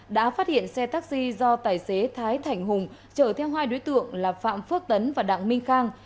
đã phát hiện xe taxi do tài xế thái thành hùng chở theo hai đối tượng là phạm phước tấn và đặng minh khang